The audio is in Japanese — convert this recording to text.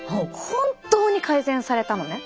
本当に改善されたのね。